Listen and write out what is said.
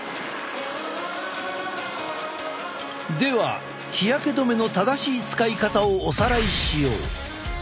では日焼け止めの正しい使い方をおさらいしよう。